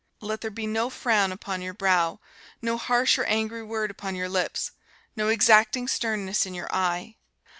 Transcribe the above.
Let there be no frown upon your brow, no harsh or angry word upon your lips, no exacting sternness in your eye.